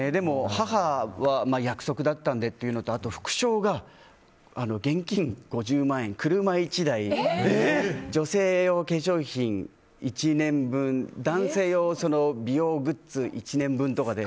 母は約束だったんでというのと副賞が現金５０万円、車１台女性用化粧品１年分男性用美容グッズ